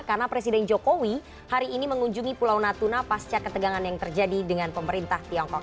karena presiden jokowi hari ini mengunjungi pulau natuna pasca ketegangan yang terjadi dengan pemerintah tiongkok